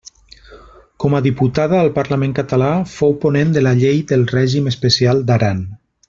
Com a diputada al Parlament català fou ponent de la llei del règim especial d'Aran.